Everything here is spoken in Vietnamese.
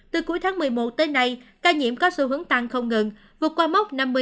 từ cuối tháng một mươi một tới nay ca nhiễm có xu hướng tăng không ngừng vượt qua mốc năm mươi